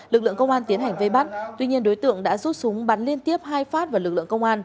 lực lượng công an tiến hành vây bắt tuy nhiên đối tượng đã rút súng bắn liên tiếp hai phát vào lực lượng công an